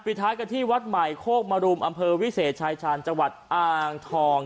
ท้ายกันที่วัดใหม่โคกมรุมอำเภอวิเศษชายชาญจังหวัดอ่างทอง